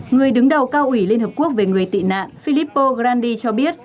người đứng đầu cao ủy liên hợp quốc về người tị nạn filippo grandi cho biết